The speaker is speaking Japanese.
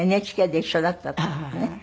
ＮＨＫで一緒だったねっ。